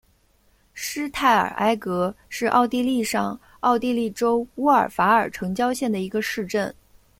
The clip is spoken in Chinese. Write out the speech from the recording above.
施泰尔埃格是奥地利上奥地利州乌尔法尔城郊县的一个市镇。